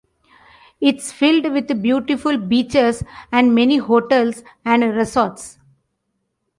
It's filled with beautiful beaches and many hotels and resorts.